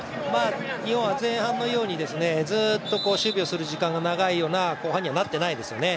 日本は前半のようにずっと守備をする時間が長いような後半にはなってないですよね。